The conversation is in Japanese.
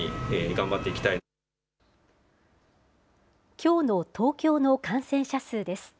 きょうの東京の感染者数です。